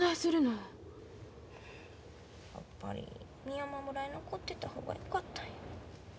やっぱり美山村に残ってた方がよかったんや。